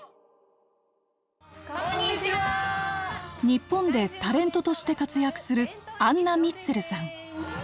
日本でタレントとして活躍するアンナ・ミッツェルさん。